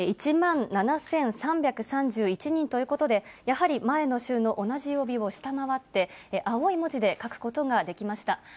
１万７３３１人ということで、やはり前の週の同じ曜日を下回って、青い文字で書くことができました。